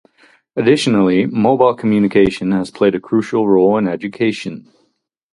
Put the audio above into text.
Additionally, mobile communication has played a crucial role in education.